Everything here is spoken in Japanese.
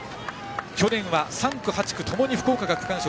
去年は３区と８区共に福岡が区間賞。